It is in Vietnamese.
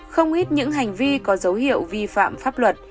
không ít những hành vi có dấu hiệu vi phạm pháp luật